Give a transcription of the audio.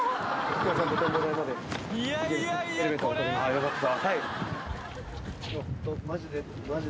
よかった。